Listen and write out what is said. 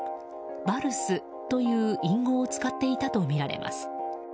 バルスという隠語を使っていたとみられます。